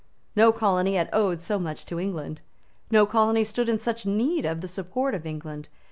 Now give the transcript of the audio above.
No colony had owed so much to England. No colony stood in such need of the support of England.